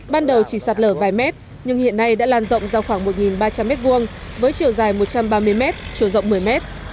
ban đầu chỉ sạt lở vài mét nhưng hiện nay đã lan rộng ra khoảng một ba trăm linh m hai với chiều dài một trăm ba mươi mét chiều rộng một mươi mét